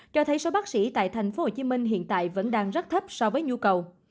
cho thấy số bác sĩ tại tp hcm hiện tại vẫn đang rất thấp so với nhu cầu